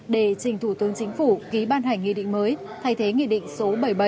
để trình thủ tướng chính phủ ký ban hành nghị định mới thay thế nghị định số bảy mươi bảy